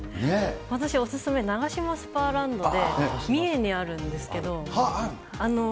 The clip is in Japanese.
私、お勧めナガシマスパーランドで、三重にあるんですけど。